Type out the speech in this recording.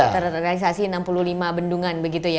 terrealisasi enam puluh lima bendungan begitu ya pak ya